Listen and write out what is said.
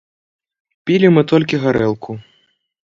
Пілі мы толькі гарэлку.